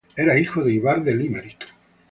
Era hijo de Ivar de Limerick.